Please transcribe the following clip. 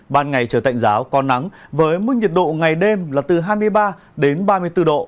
ban ngày trời tạnh giáo có nắng với mức nhiệt độ ngày đêm là từ hai mươi ba đến ba mươi bốn độ